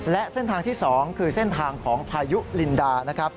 และเส้นทางที่๒คือเส้นทางของพายุลินดานะครับ